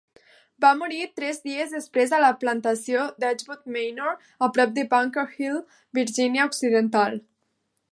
Va morir tres dies després a la plantació d'Edgewood Manor, a prop de Bunker Hill, Virginia Occidental.